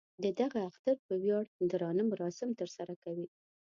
د دغه اختر په ویاړ درانه مراسم تر سره کوي.